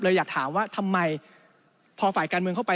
อยากถามว่าทำไมพอฝ่ายการเมืองเข้าไป